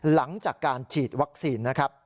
หลังจากการฉีดวัคซีน